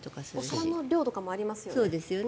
お皿の量とかもありますよね。